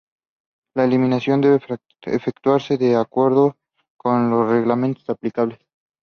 La eliminación debe efectuarse de acuerdo con los reglamentos aplicables.